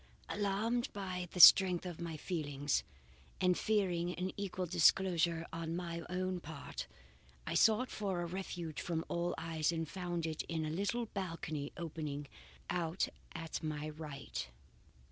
"Alarmed by the strength of my feelings, and fearing an equal disclosure on my own part, I sought for a refuge from all eyes and found it in a little balcony opening out at my right.